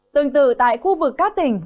tương tự tại khu vực các tỉnh